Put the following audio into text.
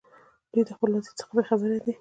دوی د خپل وضعیت څخه بې خبره دي.